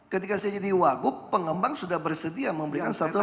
ketika saya jadi wakup pengembang sudah bersedia memberikan satu dua juta